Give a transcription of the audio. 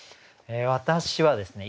私はですね